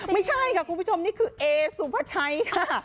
ไม่ใช่ค่ะคุณผู้ชมนี่คือเอสุภาชัยค่ะ